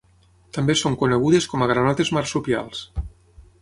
També són conegudes com a granotes marsupials.